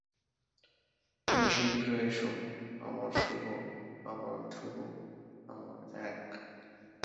তুমি শীঘ্র এসো, আমার শুভ, আমার ধ্রুব, আমার এক।